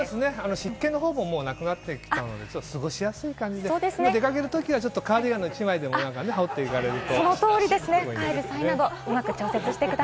湿気のほうもなくなってきて過ごしやすい感じで出掛けるときは、カーディガン１枚でも羽織っていかれると。